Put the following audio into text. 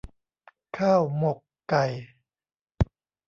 ข้าวหมกไก่